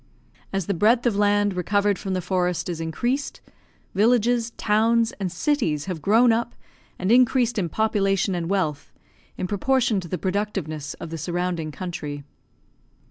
As the breadth of land recovered from the forest is increased, villages, towns, and cities have grown up and increased in population and wealth in proportion to the productiveness of the surrounding country.